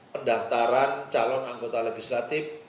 pendaftaran calon anggota legislatif